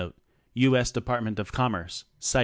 23 U. S. Department of Commerce, op. cit.